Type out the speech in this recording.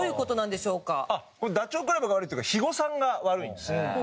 これダチョウ倶楽部が悪いっていうか肥後さんが悪いんですよ。